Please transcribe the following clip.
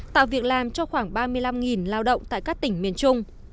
tổng vốn thu hút đầu tư cho khoảng ba mươi năm lao động tại các tỉnh miền trung